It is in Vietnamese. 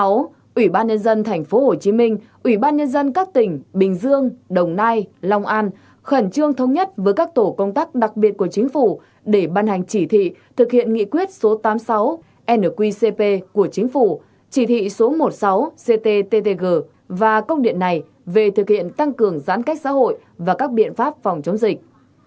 sáu ủy ban nhân dân tp hcm ủy ban nhân dân các tỉnh bình dương đồng nai long an khẩn trương thống nhất với các tổ công tác đặc biệt của chính phủ để ban hành chỉ thị thực hiện nghị quyết số tám mươi sáu nqcp của chính phủ chỉ thị số một mươi sáu ctttg và công điện này về thực hiện tăng cường giãn cách xã hội và các biện pháp phòng chống dịch